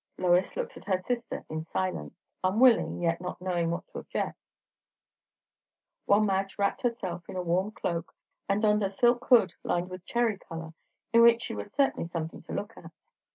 Lois looked at her sister in silence, unwilling, yet not knowing what to object; while Madge wrapped herself in a warm cloak, and donned a silk hood lined with cherry colour, in which she was certainly something to look at.